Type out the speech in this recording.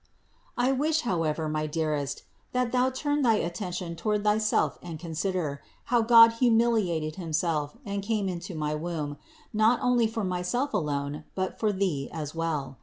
I wish, however, my dearest, that thou turn thy attention toward thyself and consider, how God humili ated Himself, and came into my womb, not only for my self alone, but for thee as well.